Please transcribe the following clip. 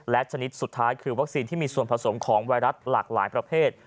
และชนิดสุดท้ายคือวัคซีนที่มีส่วนผสมของไวรัสหลากหลายประเภท